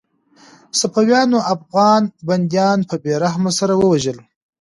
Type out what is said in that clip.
صفویانو افغان بندیان په بې رحمۍ سره ووژل.